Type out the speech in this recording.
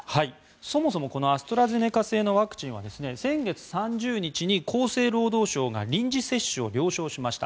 そもそもアストラゼネカ製のワクチンは先月３０日に厚生労働省が臨時接種を了承しました。